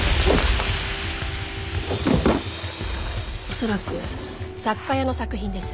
恐らく雑貨屋の作品です。